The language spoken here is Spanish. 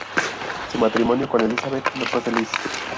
Su matrimonio con Elizabeth no fue feliz.